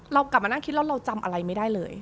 เรากลับมานั่งคิดแล้วเราจำอะไรไม่ได้เลย